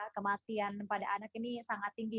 kematian pada anak ini sangat tinggi